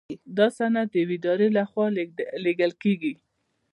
دا سند د یوې ادارې لخوا لیږل کیږي.